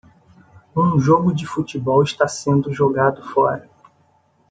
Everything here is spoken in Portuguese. Um jogo de futebol está sendo jogado fora.